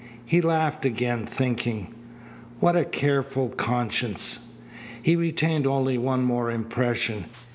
He laughed again, thinking: "What a careful conscience!" He retained only one more impression.